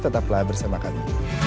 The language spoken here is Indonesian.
tetaplah bersama kami